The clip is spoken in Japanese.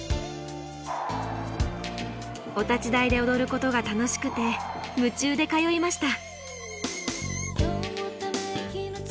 お立ち台で踊ることが楽しくて夢中で通いました。